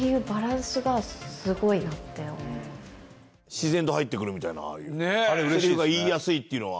自然と入ってくるみたいなセリフが言いやすいっていうのは？